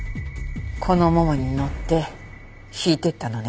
このももに乗ってひいてったのね。